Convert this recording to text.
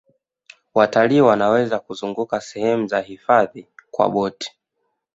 watalii Wanaweza kuzunguka sehemu za hifadhi kwa boti